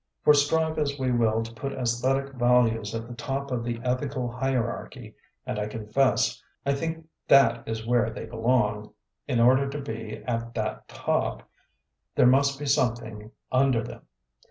For strive as we will to put Aesthetic values at the top of the ethical hierarchy (and I confess I think that is where they belong), in order to be at that top, there must be something under them.